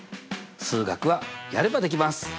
数学はやればできます！